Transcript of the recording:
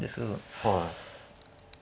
はい。